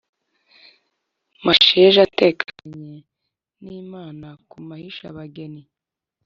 masheja atekanye n’imana ku mahisha-bageni.